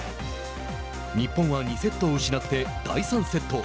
日本は２セットを失って第３セット。